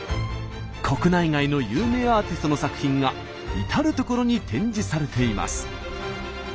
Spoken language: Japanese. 国内外の有名アーティストの作品が至る所に展示されています。